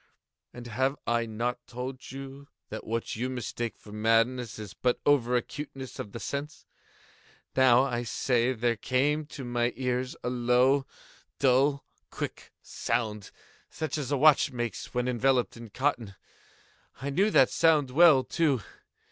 And have I not told you that what you mistake for madness is but over acuteness of the sense?—now, I say, there came to my ears a low, dull, quick sound, such as a watch makes when enveloped in cotton. I knew that sound well, too.